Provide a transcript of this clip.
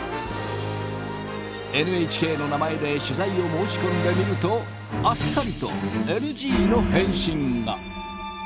ＮＨＫの名前で取材を申し込んでみるとあっさりとＮＧの返信が。